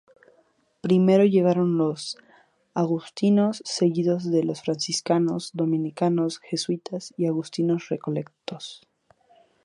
Primero llegaron los agustinos, seguidos de franciscanos, dominicos, jesuitas y agustinos recoletos.